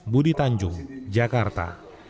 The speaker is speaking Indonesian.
budi tanjung jakarta